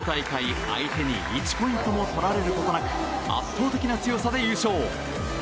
この大会、相手に１ポイントも取られることなく圧倒的な強さで優勝。